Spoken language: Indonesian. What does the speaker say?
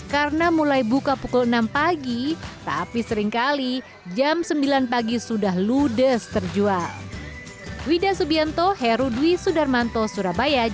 karena mulai buka pukul enam pagi tapi seringkali jam sembilan pagi sudah ludes terjual